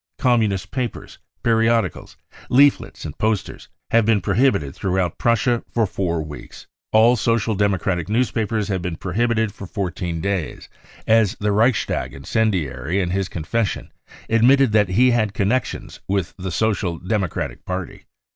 Communist papers, periodicals, leaflets and posters have been pro hibited throughout Prussia for four weeks. All Social Democratic newspapers have been prohibited for 14 days, as the Reichstag incendiary in his confession admitted that he had connections with the Social Demo * cratic Party.